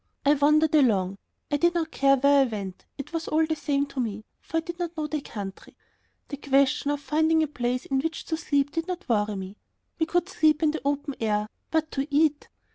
I wandered along. I did not care where I went; it was all the same to me, for I did not know the country. The question of finding a place in which to sleep did not worry me; we could sleep in the open air.... But to eat!